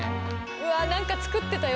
うわぁなんか作ってたよ